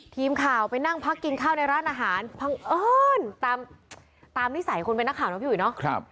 ทีมข่าวไปนั่งพักกินข้าวในร้านอาหารพังเอิญตามนิสัยคนเป็นนักข่าวนะพี่อุ๋ยเนาะ